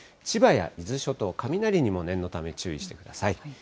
千葉や伊豆諸島、雷にも念のため注意してください。